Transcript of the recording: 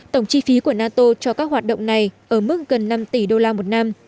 tổng chi phí của nato cho các hoạt động này ở mức gần năm tỷ đô la một năm